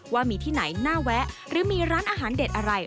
ว่ามีที่ไหนน่าแวะหรือมีร้านอาหารเด็ดอะไร